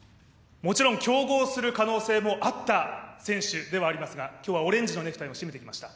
競合する可能性もあった選手ではありますが、今日はオレンジのネクタイを締めてきました。